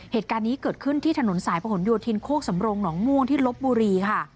เหตุการณ์นี้เกิดขึ้นที่ถนนสายประหลโยธินโคกสำรงหนองม่วงที่ลบบุรีค่ะ